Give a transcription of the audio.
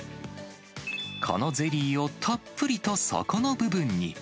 このゼリーをたっぷりと底の部分に。